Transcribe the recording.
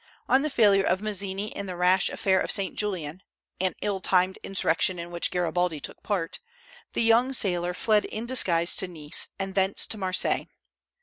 On the failure of Mazzini in the rash affair of St. Julien, an ill timed insurrection in which Garibaldi took part, the young sailor fled in disguise to Nice, and thence to Marseilles.